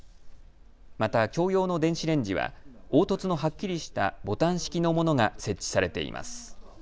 また共用の電子レンジは凹凸のはっきりしたボタン式のものが設置されています。